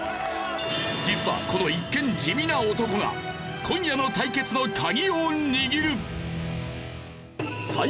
実はこの一見地味な男が今夜の対決の鍵を握る。